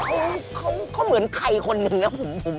โอ้เขาเขาเหมือนไข่คนหนึ่งนะผม